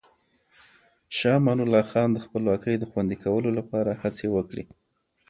شاه امان الله خان د خپلواکۍ د خوندي کولو لپاره هڅې وکړې.